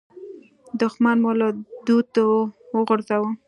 دوښمن مو له دوده وغورځاوو.